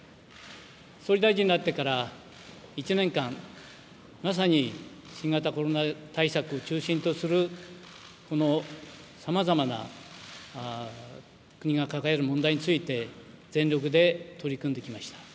総理大臣になってから１年間、まさに新型コロナ対策を中心とするこの、さまざまな国が抱える問題について全力で取り組んできました。